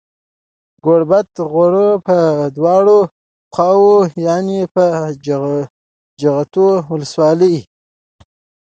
د گوربت غروه په دواړو خواوو يانې په جغتو ولسوالۍ